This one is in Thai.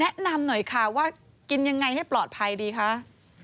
แนะนำหน่อยค่ะว่ากินยังไงให้ปลอดภัยดีคะ